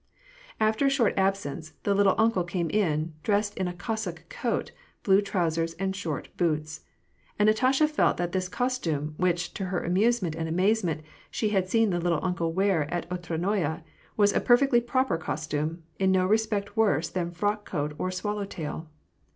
After a short absence, the " little uncle " came in, dressed in a Cossack coat, blue trousers, and short boots. And Natasha felt that this costume, which, to her amusement and amazement, she had seen the "little uncle " wear at Otradnoye, was a perfectly proper costume, in no respect worse than frock coat or swallow tail.